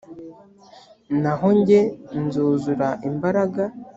naho jye nzuzura imbaraga